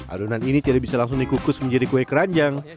adonan ini tidak bisa langsung dikukus menjadi kue keranjang